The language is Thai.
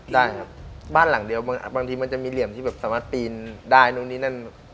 ได้ครับบ้านหลังเดียวบางทีมันจะมีเหลี่ยมที่แบบสามารถปีนได้นู่นนี่นั่น